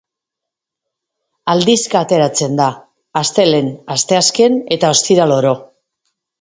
Aldizka ateratzen da, astelehen, asteazken eta ostiral oro.